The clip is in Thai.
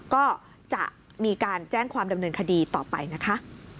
ก็จะมีการแจ้งความดำเนินคดีต่อไปนะคะ